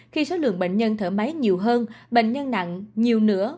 khi số lượng bệnh nhân thở máy nhiều hơn bệnh nhân nặng nhiều nữa